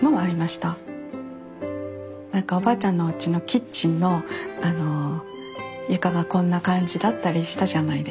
おばあちゃんのおうちのキッチンの床がこんな感じだったりしたじゃないですか。